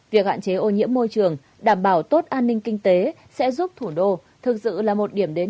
việc hạn chế ô nhiễm môi trường đảm bảo tốt an ninh kinh tế sẽ giúp thủ đô thực sự là một điểm đến